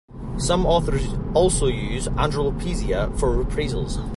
Some authors also use "androlepsia" for reprisals.